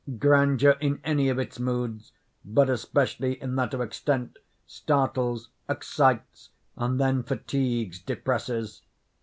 Grandeur in any of its moods, but especially in that of extent, startles, excites—and then fatigues, depresses.